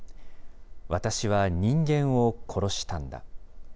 私は人間を殺したんだ。